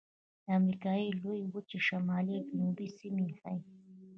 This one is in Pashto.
د امریکا لویې وچې شمالي او جنوبي سیمې ښيي.